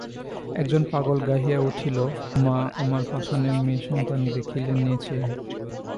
একজন পাগল গাহিয়া উঠিল- মা আমার পাষাণের মেয়ে সন্তানে দেখলি নে চেয়ে।